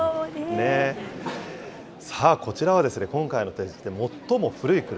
さあ、こちらはですね、今回の展示で最も古い車。